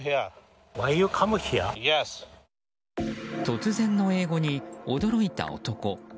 突然の英語に驚いた男。